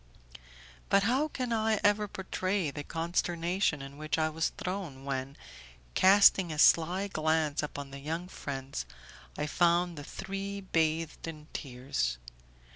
But how can I ever portray the consternation in which I was thrown when, casting a sly glance upon the young friends, I found the three bathed in tears!